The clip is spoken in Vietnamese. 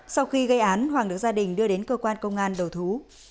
sau khi gây án hoàng được gia đình đưa đến cơ quan công an đầu thú